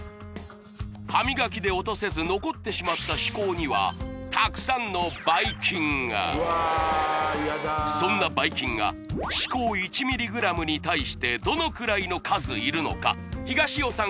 歯磨きで落とせず残ってしまった歯垢にはたくさんのばい菌がそんなばい菌が歯垢１ｍｇに対してどのくらいの数いるのか東尾さん